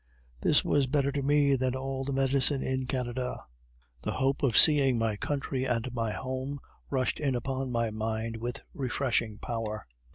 This was better to me than all the medicine in Canada. The hope of seeing my country and my home, rushed in upon my mind with refreshing power.